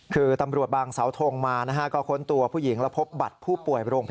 คือตำรวจบางสาวทงมานะฮะก็ค้นตัวผู้หญิงแล้วพบบัตรผู้ป่วยโรงพยาบาล